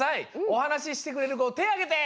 おはなししてくれるこてあげて。